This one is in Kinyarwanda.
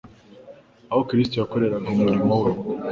aho Kristo yakoreraga umurimo we